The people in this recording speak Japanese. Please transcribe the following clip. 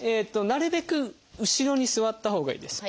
なるべく後ろに座ったほうがいいです。